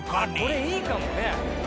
これいいかもね。